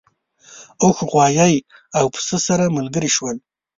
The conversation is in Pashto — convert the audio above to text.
اوښ غوایی او پسه سره ملګري شول.